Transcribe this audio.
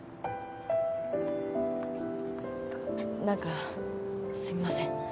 何かすいません。